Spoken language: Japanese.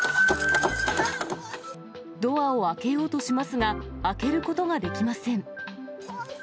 ドアを開けようとしますが、開けることができません。